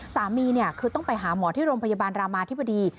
สามีคือต้องไปหาหมอที่โรงพยาบาลรามาธิบดี